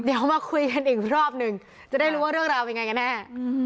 เดี๋ยวมาคุยกันอีกรอบหนึ่งจะได้รู้ว่าเรื่องราวเป็นยังไงกันแน่